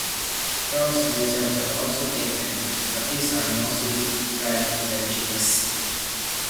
Frogs and lizards are also taken, but these are mostly fed to their chicks.